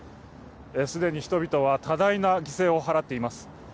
既に人々は多大な犠牲を払っています。